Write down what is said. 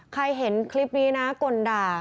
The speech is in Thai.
ใครเห็นคลิปนี้น่ากลด่า